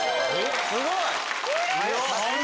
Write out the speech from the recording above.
すごい。